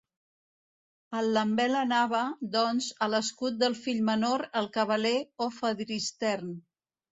El lambel anava, doncs, a l'escut del fill menor, el cabaler o fadristern.